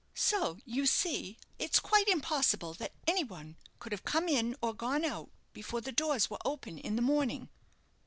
So, you see it's quite impossible that any one could have come in or gone out before the doors were open in the morning."